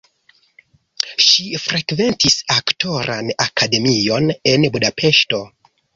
Ŝi frekventis aktoran akademion en Budapeŝto.